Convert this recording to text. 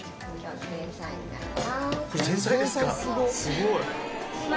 すごい！